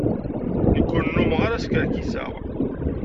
Nekk ur nnummeɣ ara skerkiseɣ.